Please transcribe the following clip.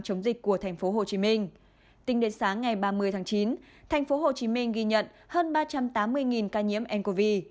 tính đến sáng ngày ba mươi tháng chín tp hcm ghi nhận hơn ba trăm tám mươi ca nhiễm ncov